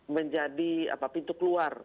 menjadi pintu keluar